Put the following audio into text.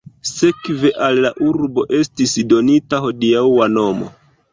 Sekve al la urbo estis donita hodiaŭa nomo.